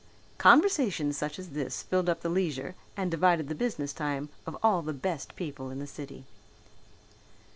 Conversations such as this filled up the leisure and divided the business time of all the best people in the city.